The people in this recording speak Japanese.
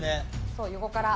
そう横から。